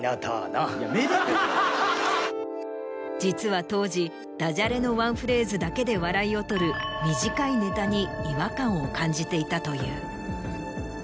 実は当時ダジャレのワンフレーズだけで笑いをとる。を感じていたという。